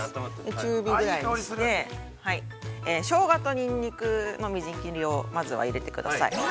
中火ぐらいにして、しょうがとニンニクのみじん切りをまずは入れてください。